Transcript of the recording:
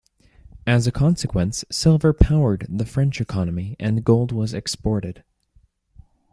As a consequence, silver powered the French economy and gold was exported.